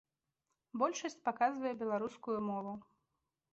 Большасць паказвае беларускую мову.